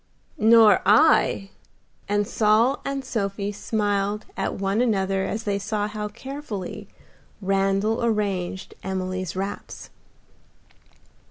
"Nor I;" and Saul and Sophie smiled at one another as they saw how carefully Randal arranged Emily's wraps.